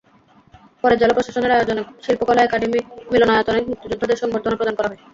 পরে জেলা প্রশাসনের আয়োজনে শিল্পকলা একাডেমি মিলনায়তনে মুক্তিযোদ্ধাদের সংবর্ধনা প্রদান করা হয়।